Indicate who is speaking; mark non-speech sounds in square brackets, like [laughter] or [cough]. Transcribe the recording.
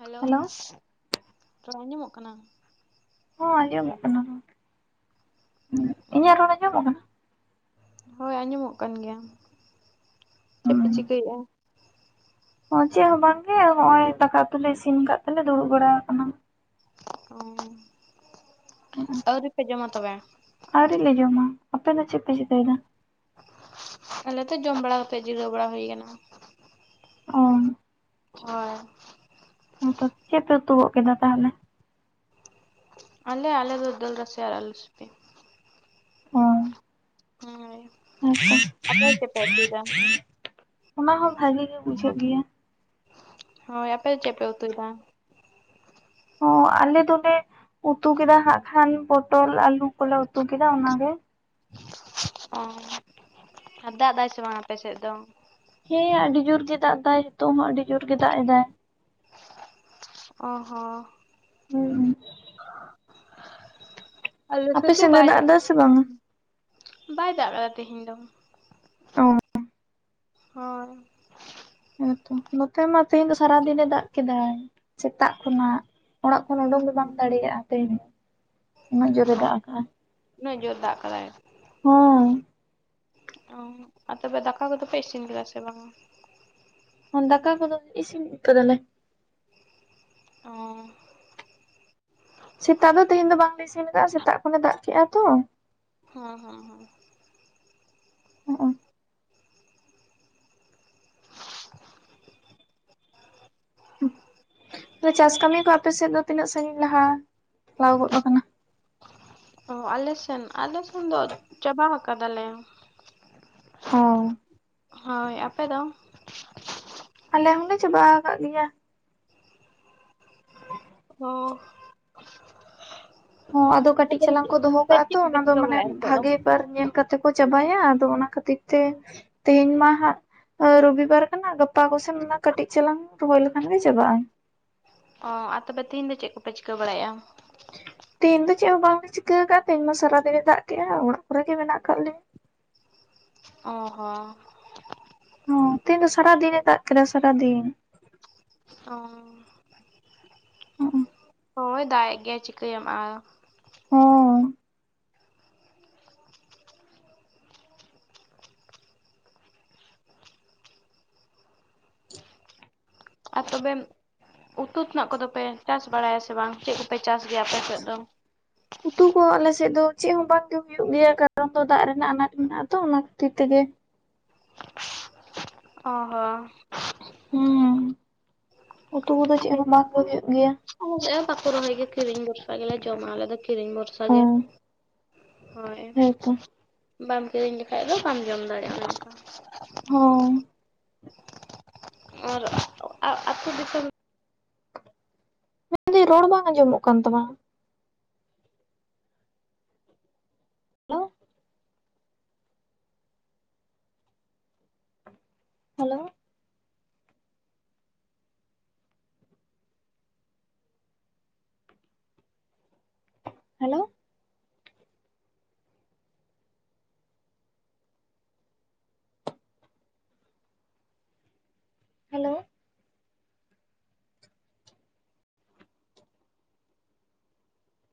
Speaker 1: Hello ᱨᱚᱲ ᱟᱸᱡᱚᱢᱚᱜ ᱠᱟᱱᱟ?
Speaker 2: ᱦᱚᱸ ᱟᱸᱡᱚᱢᱚᱜ ᱠᱟᱱᱟ ᱨᱚᱲ ᱾ ᱤᱧᱟᱹᱜ ᱨᱚᱲ ᱟᱸᱡᱚᱢᱚᱜ ᱠᱟᱱᱟ?
Speaker 1: ᱦᱳᱭ ᱟᱸᱡᱚᱢᱚᱜ ᱠᱟᱱ ᱜᱮᱭᱟ ᱾ ᱪᱮᱫ ᱯᱮ ᱪᱤᱠᱟᱹᱭᱮᱫᱼᱟ?
Speaker 2: ᱚᱸ ᱪᱮᱫ ᱦᱚᱸ ᱵᱟᱝᱜᱮ ᱦᱚᱸᱜᱼᱚᱭ ᱫᱟᱠᱟ ᱩᱛᱩ ᱞᱮ ᱤᱥᱤᱱ ᱟᱠᱟᱫ ᱛᱮᱞᱮ ᱫᱩᱲᱩᱵ ᱵᱟᱲᱟ ᱠᱟᱱᱟ ᱾
Speaker 1: ᱚ ᱟᱹᱣᱨᱤ ᱯᱮ ᱡᱚᱢᱟ ᱛᱚᱵᱮ?
Speaker 2: ᱟᱹᱣᱨᱤ ᱞᱮ ᱡᱚᱢᱟ ᱾ ᱟᱯᱮ ᱫᱚ ᱪᱮᱫ ᱯᱮ ᱪᱤᱠᱟᱹᱭᱫᱟ?
Speaker 1: ᱟᱞᱮ ᱫᱚ ᱡᱚᱢ ᱵᱟᱲᱟ ᱠᱟᱛᱮᱜ ᱡᱤᱨᱟᱹᱣ ᱵᱟᱲᱟ ᱦᱩᱭᱠᱟᱱᱟ ᱾
Speaker 2: ᱚ᱾
Speaker 1: ᱦᱳᱭ᱾
Speaker 2: ᱦᱮᱸᱛᱚ ᱪᱮᱫ ᱯᱮ ᱩᱛᱩ ᱜᱚᱫ ᱠᱮᱫᱟ ᱛᱟᱦᱚᱞᱮ?
Speaker 1: ᱟᱞᱮ ᱟᱞᱮ ᱫᱟᱹᱞ ᱨᱟᱥᱮ ᱟᱨ ᱟᱹᱞᱩ ᱥᱤᱯᱤ ᱾
Speaker 2: ᱚ
Speaker 1: ᱦᱳᱭ᱾
Speaker 2: [unintelligible]
Speaker 1: ᱟᱯᱮ ᱦᱚᱸ ᱪᱮᱫ ᱯᱮ ᱩᱛᱩᱭ ᱫᱟ?
Speaker 2: ᱚᱱᱟ ᱦᱚᱸ ᱵᱷᱟᱜᱤ ᱜᱮ ᱵᱩᱡᱷᱟᱹᱜ ᱜᱮᱭᱟ ᱾
Speaker 1: ᱦᱳᱭ ᱟᱯᱮ ᱪᱮᱫ ᱯᱮ ᱩᱛᱩᱭ ᱫᱟ?
Speaker 2: ᱦᱚᱸ ᱟᱞᱮ ᱫᱚᱞᱮ ᱩᱛᱩ ᱠᱮᱫᱟ ᱦᱟᱸᱜ ᱠᱷᱟᱱ ᱯᱚᱴᱚᱞ ᱟᱞᱩ ᱠᱚᱞᱮ ᱩᱛᱩ ᱠᱮᱫᱟ ᱚᱱᱟ ᱜᱮ ᱾
Speaker 1: ᱚ ᱟᱨ ᱫᱟᱜ ᱫᱟᱭ ᱥᱮ ᱵᱟᱝ ᱟᱯᱮ ᱥᱮᱫ ᱫᱚ?
Speaker 2: ᱦᱮᱸ ᱟᱹᱰᱤ ᱡᱳᱨ ᱜᱮ ᱫᱟᱜ ᱫᱟᱭ ᱱᱤᱛᱚᱜ ᱦᱚᱸ ᱟᱹᱰᱤ ᱡᱳᱨ ᱜᱮ ᱫᱟᱜ ᱮᱫᱟᱭ ᱾
Speaker 1: ᱚ ᱦᱚ᱾
Speaker 2: ᱦᱩᱸ᱾
Speaker 1: ᱟᱞᱮ
Speaker 2: ᱟᱯᱮ
Speaker 1: ᱥᱮᱫ ᱫᱚ
Speaker 2: ᱥᱮᱱ ᱫᱚᱭ
Speaker 1: ᱵᱟᱭ ᱫᱟᱜ
Speaker 2: ᱮᱫᱟ ᱥᱮ
Speaker 1: ᱠᱟᱫᱟ
Speaker 2: ᱵᱟᱝᱟ?
Speaker 1: ᱵᱟᱭ ᱫᱟᱜ ᱠᱟᱫᱟ ᱛᱮᱦᱮᱧ ᱫᱚ ᱾
Speaker 2: ᱚ᱾
Speaker 1: ᱦᱳᱭ᱾
Speaker 2: ᱦᱮᱸᱛᱚ ᱱᱚᱛᱮ ᱢᱟ ᱛᱮᱦᱮᱧ ᱫᱚ ᱥᱟᱨᱟᱫᱤᱱᱮ ᱫᱟᱜ ᱠᱮᱫᱟ ᱥᱮᱛᱟᱜ ᱠᱷᱚᱱᱟᱜ ᱾ ᱚᱲᱟᱜ ᱠᱷᱚᱱ ᱩᱰᱩᱝ ᱫᱚ ᱵᱟᱝ ᱫᱟᱲᱮᱭᱟᱜᱼᱟ ᱛᱮᱦᱮᱧ ᱫᱚ ᱩᱱᱟᱹᱜ ᱡᱳᱨᱮ
Speaker 1: ᱚ
Speaker 2: ᱫᱟᱜ ᱟᱠᱟᱜᱼᱟ ᱾
Speaker 1: ᱩᱱᱟᱹᱜ ᱡᱳᱨ ᱫᱟᱜ ᱠᱟᱫᱟᱭ? ᱚ ᱟᱨ ᱛᱚᱵᱮ ᱫᱟᱠᱟ ᱠᱚᱫᱚ ᱯᱮ ᱤᱥᱤᱱ ᱠᱮᱫᱟ ᱥᱮ ᱵᱟᱝᱟ?
Speaker 2: ᱦᱚ ᱫᱟᱠᱟ ᱠᱚᱫᱚ ᱤᱥᱤᱱ ᱠᱟᱫᱟᱞᱮ᱾
Speaker 1: ᱚ
Speaker 2: ᱥᱮᱛᱟᱜ ᱫᱚ ᱛᱮᱦᱮᱧ ᱫᱚ ᱵᱟᱝᱞᱮ ᱤᱥᱤᱱ ᱟᱠᱟᱫᱟ ᱥᱮᱛᱟᱜ ᱠᱷᱚᱱᱮ ᱫᱟᱜ ᱠᱮᱜᱼᱟ ᱛᱚ ᱾
Speaker 1: ᱦᱚ ᱦᱚ ᱦᱚ᱾
Speaker 2: ᱚ
Speaker 1: [unintelligible]
Speaker 2: ᱛᱚᱵᱮ ᱪᱟᱥ ᱠᱟᱹᱢᱤ ᱠᱚ ᱟᱯᱮᱥᱮᱫ ᱫᱚ ᱛᱤᱱᱟᱹᱜ ᱥᱟᱺᱜᱤᱧ ᱞᱟᱦᱟ ᱪᱟᱞᱟᱣ ᱜᱚᱫ ᱟᱠᱟᱱᱟ?
Speaker 1: ᱚ ᱟᱞᱮ ᱥᱮᱱ ᱟᱞᱮ ᱥᱮᱱ ᱫᱚ ᱪᱟᱵᱟᱣ ᱟᱠᱟᱫᱟᱞᱮ ᱾
Speaker 2: ᱚ᱾
Speaker 1: ᱦᱳᱭ ᱟᱯᱮ ᱫᱚ?
Speaker 2: ᱟᱞᱮ ᱦᱚᱸᱞᱮ ᱪᱟᱵᱟ ᱟᱠᱟᱫ ᱜᱮᱭᱟ ᱾
Speaker 1: ᱚ᱾
Speaker 2: ᱦᱚ ᱟᱫᱚ ᱠᱟᱹᱴᱤᱡ
Speaker 1: ᱛᱚᱵᱮ
Speaker 2: ᱪᱟᱞᱟᱝ ᱠᱚ
Speaker 1: ᱪᱮᱫ
Speaker 2: ᱫᱚᱦᱚ
Speaker 1: ᱟᱯᱮ
Speaker 2: ᱠᱟᱜᱼᱟ ᱛᱚ
Speaker 1: ᱪᱮᱫ ᱠᱚᱯᱮ
Speaker 2: ᱚᱱᱟ ᱫᱚ
Speaker 1: ᱪᱤᱠᱟᱹ
Speaker 2: ᱢᱟᱱᱮ
Speaker 1: ᱵᱟᱲᱟᱭᱮᱜᱼᱟ ᱱᱤᱛᱚᱜ ᱫᱚ?
Speaker 2: ᱵᱷᱟᱜᱤ ᱵᱟᱨ ᱧᱮᱞ ᱠᱟᱛᱮ ᱛᱮᱠᱚ ᱪᱟᱵᱟᱭᱟ ᱟᱫᱚ ᱚᱱᱟ ᱠᱷᱟᱹᱛᱤᱨ ᱛᱮ ᱛᱮᱦᱮᱧ ᱢᱟ ᱦᱟᱸᱜ ᱨᱚᱵᱤᱵᱟᱨ ᱠᱟᱱᱟ ᱜᱟᱯᱟ ᱠᱚᱥᱮᱱ ᱠᱟᱹᱴᱤᱡ ᱪᱟᱞᱟᱝ ᱨᱚᱦᱚᱭ ᱞᱮᱠᱷᱟᱱ ᱜᱮ ᱪᱟᱵᱟᱜᱼᱟ ᱾
Speaker 1: ᱚᱻ ᱟᱨ ᱛᱚᱵᱮ ᱛᱤᱦᱤᱧ ᱫᱚ ᱪᱮᱫ ᱠᱚᱯᱮ ᱪᱤᱠᱟᱹ ᱵᱟᱲᱟᱭᱮᱫᱼᱟ?
Speaker 2: ᱛᱮᱦᱮᱧ ᱫᱚ ᱪᱮᱫ ᱦᱚᱸ ᱵᱟᱝᱞᱮ ᱪᱤᱠᱟᱹ ᱠᱟᱜᱼᱟ ᱛᱮᱦᱮᱧ ᱢᱟ ᱥᱟᱨᱟᱫᱤᱱᱮ ᱫᱟᱜ ᱠᱮᱜᱼᱟ ᱚᱲᱟᱜ ᱠᱚᱨᱮ ᱜᱮ ᱢᱮᱱᱟᱜ ᱠᱟᱜ ᱞᱤᱧ᱾
Speaker 1: ᱚ ᱦᱚᱸ᱾
Speaker 2: ᱦᱚᱸ ᱛᱤᱦᱤᱞ ᱫᱚ ᱥᱟᱨᱟ ᱫᱤᱱᱮ ᱫᱟᱜ ᱠᱮᱫᱟ ᱥᱟᱨᱟ ᱫᱤᱱ ᱾
Speaker 1: ᱚᱻ
Speaker 2: ᱦᱚᱸᱜᱼᱚ
Speaker 1: ᱦᱳᱭ ᱫᱟᱜᱮᱫ ᱜᱮᱭᱟᱭ ᱪᱤᱠᱟᱹᱭᱟᱢᱟ
Speaker 2: ᱦᱩᱸ ᱾
Speaker 1: ᱟᱨ ᱛᱚᱵᱮ ᱩᱛᱩ ᱛᱮᱱᱟᱜ ᱠᱚᱫᱚᱯᱮ ᱪᱟᱥ ᱵᱟᱲᱟᱭᱟ ᱥᱮ ᱵᱟᱝ ᱪᱮᱫ ᱠᱚᱯᱮ ᱪᱟᱥ ᱜᱮᱭᱟ ᱟᱯᱮᱥᱮᱫ ᱫᱚ?
Speaker 2: ᱩᱛᱩ ᱠᱚ ᱟᱞᱮᱥᱮᱫ ᱫᱚ ᱪᱮᱫ ᱦᱚᱸ ᱵᱟᱝ ᱜᱮ ᱦᱩᱭᱩᱜ ᱜᱮᱭᱟ ᱠᱟᱴᱚᱱ ᱫᱚ ᱫᱟᱜ ᱨᱮᱱᱟᱜ ᱟᱱᱟᱴ ᱢᱮᱱᱟᱜᱼᱟ ᱛᱚ ᱚᱱᱟ ᱠᱷᱟᱛᱤᱨ ᱛᱮᱜᱮ ᱾
Speaker 1: ᱚ ᱦᱚᱸ ᱾
Speaker 2: ᱦᱩᱸ ᱩᱛᱩ ᱠᱚᱫᱚ ᱪᱮᱫ
Speaker 1: ᱟᱞᱮ
Speaker 2: ᱦᱚᱸ
Speaker 1: ᱥᱮᱫ
Speaker 2: ᱵᱟᱝᱜ
Speaker 1: ᱫᱚ
Speaker 2: ᱦᱩᱭᱩᱜ ᱜᱮᱭᱟ ᱾
Speaker 1: ᱟᱞᱮ ᱪᱮᱛ ᱦᱚ ᱵᱟᱠᱩ ᱨᱚᱦᱚᱭ ᱜᱮᱛᱮ ᱠᱤᱨᱤᱧ ᱵᱷᱚᱨᱥᱟ ᱜᱮᱞᱮ ᱡᱚᱢᱟ ᱟᱞᱮ ᱫᱚ ᱠᱤᱨᱤᱧ ᱵᱷᱚᱨᱥᱟ ᱜᱮ ᱾
Speaker 2: ᱦᱮᱸ
Speaker 1: ᱦᱳᱭ
Speaker 2: ᱦᱮᱸᱛᱚ
Speaker 1: ᱵᱟᱢ ᱠᱤᱨᱤᱧ ᱞᱮᱠᱷᱟᱡ ᱫᱚ ᱵᱟᱢ ᱡᱚᱢ ᱫᱟᱲᱮᱭᱟᱜᱼᱟ ᱚᱱᱠᱟ ᱾
Speaker 2: ᱦᱚ᱾
Speaker 1: ᱮᱨ ᱚᱜ ᱟᱜ ᱟᱹᱛᱩᱳ ᱫᱤᱥᱚᱢ
Speaker 2: ᱢᱮᱱᱫᱟᱹᱧ ᱨᱚᱲ ᱵᱟᱝ ᱟᱸᱡᱚᱢᱚᱜ ᱠᱟᱱ ᱛᱟᱢᱟ ᱾ Hello, hello, hello, hello.